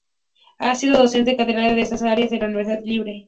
Ha sido docente catedrático de estas áreas en la Universidad Libre.